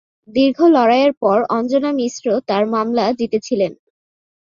দীর্ঘ লড়াইয়ের পর অঞ্জনা মিশ্র তার মামলা জিতেছিলেন।